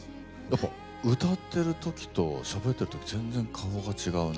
歌ってる時としゃべってる時全然顔が違うね。